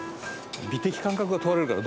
美的感覚が問われるから。